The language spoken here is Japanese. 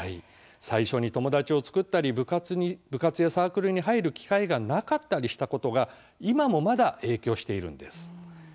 最初に友達を作ったり部活やサークルに入る機会がなかったりしたことが今も、まだ影響しているんです。